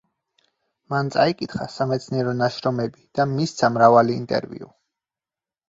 მან წაიკითხა სამეცნიერო ნაშრომები და მისცა მრავალი ინტერვიუ.